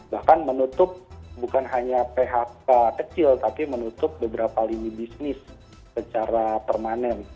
bahkan menutup bukan hanya phk kecil tapi menutup beberapa lini bisnis secara permanen